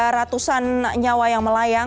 ada ratusan nyawa yang melayang